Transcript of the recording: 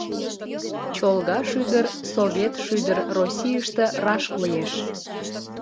Чолга шӱдыр — Совет шӱдыр Российыште раш коеш.